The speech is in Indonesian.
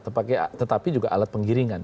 tetapi juga alat penggiringan